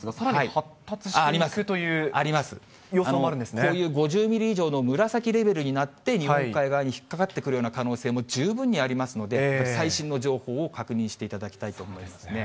こういう５０ミリ以上の紫レベルになって、日本海側に引っ掛かってくるような可能性も十分にありますので、最新の情報を確認していただきたいと思いますね。